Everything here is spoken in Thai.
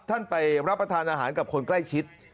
ไปรับประทานอาหารกับคนใกล้ชิด